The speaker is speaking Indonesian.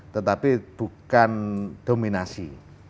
tetapi bukan dominasi